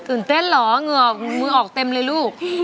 ตื่นเต้นเหรอเหลือมีเปิดในลูก